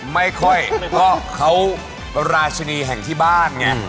ไม่ค่อยเพราะเขาราชินีแห่งที่บ้านไง